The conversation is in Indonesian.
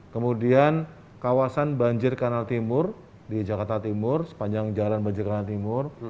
kemudian kawasan banjir kanal timur di jakarta timur sepanjang jalan banjir kanal timur